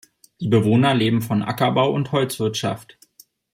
Die Bewohner lebten von Ackerbau und Holzwirtschaft.